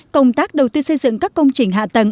công tác đầu tư xây dựng các công trình hạ tầng